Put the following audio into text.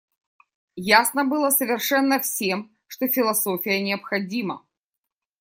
Ясно было совершенно всем, что философия необходима.